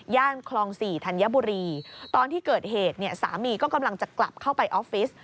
คลอง๔ธัญบุรีตอนที่เกิดเหตุเนี่ยสามีก็กำลังจะกลับเข้าไปออฟฟิศ